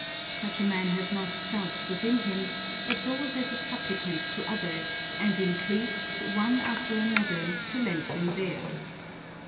Such a man has not self within him, but goes as a supplicant to others, and entreats, one after another, to lend them theirs.